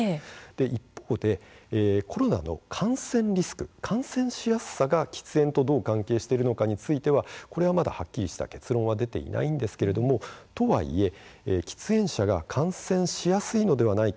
一方でコロナの感染リスク感染しやすさが喫煙とどう関係しているのかについてはこれはまだはっきりした結論は出ていないんですけれどもとはいえ喫煙者が感染しやすいのではないか